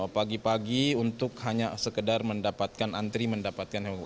pagi pagi untuk hanya sekedar mendapatkan antri mendapatkan hewan